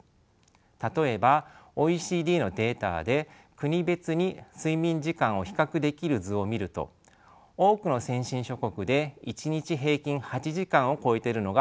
例えばＯＥＣＤのデータで国別に睡眠時間を比較できる図を見ると多くの先進諸国で１日平均８時間を超えているのが分かります。